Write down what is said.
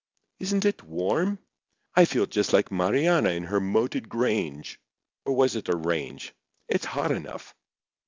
Isn't it warm? I feel just like Mariana in her moated grange—or was it a range?—it's hot enough."